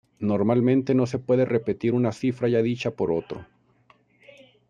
Normalmente no se puede repetir una cifra ya dicha por otro.